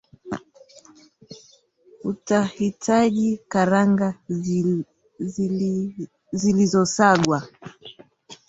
utahitaji Karanga zilizosagwa